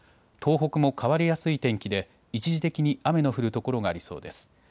東北も変わりやすい天気で一時的に雨の降る所がありそうです。